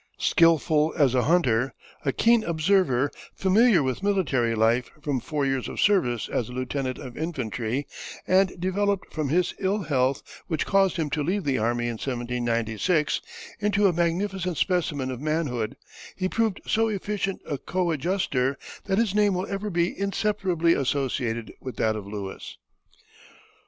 Skilful as a hunter, a keen observer, familiar with military life from four years of service as a lieutenant of infantry, and developed from his ill health, which caused him to leave the army in 1796, into a magnificent specimen of manhood, he proved so efficient a coadjutor that his name will ever be inseparably associated with that of Lewis.